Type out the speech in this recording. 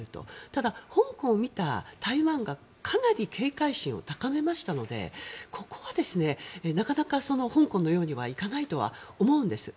ただ、香港を見た台湾がかなり警戒心を高めましたのでここはなかなか香港のようにはいかないとは思うんです。